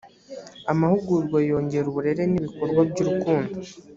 amahugurwa yongera uburere n’ ibikorwa by ‘urukundo.